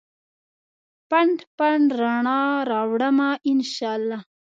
پنډ ، پنډ رڼا راوړمه ا ن شا الله